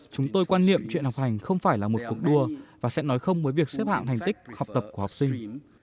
chúng tôi quan niệm chuyện học hành không phải là một cuộc đua và sẽ nói không với việc xếp hạng thành tích học tập của học sinh